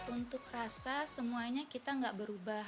untuk rasa semuanya kita nggak berubah